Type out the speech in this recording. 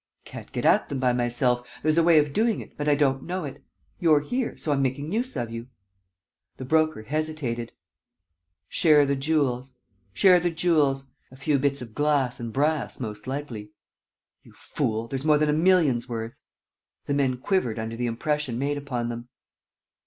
"Can't get at them by myself. There's a way of doing it, but I don't know it. You're here, so I'm making use of you." The Broker hesitated: "Share the jewels. ... Share the jewels. ... A few bits of glass and brass, most likely. ..." "You fool! ... There's more than a million's worth." The men quivered under the impression made upon them.